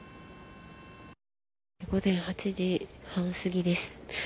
午前８時半過ぎです。